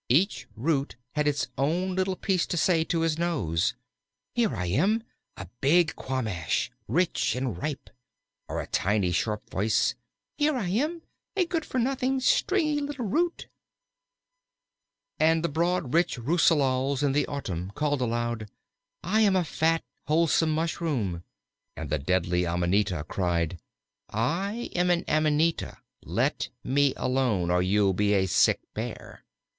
Each root had its own little piece to say to his nose: "Here am I, a big Quamash, rich and ripe," or a tiny, sharp voice, "Here am I, a good for nothing, stringy little root." And the broad, rich russulas in the autumn called aloud, "I am a fat, wholesome Mushroom," and the deadly amanita cried, "I am an Amanita. Let me alone, or you'll be a sick Bear."